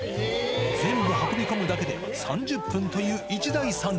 全部運び込むだけで３０分という一大作業。